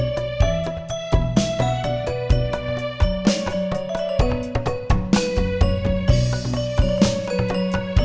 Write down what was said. kamu kerja pemain hape